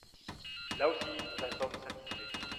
Là aussi, nous en sommes satisfaits.